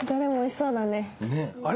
あれ？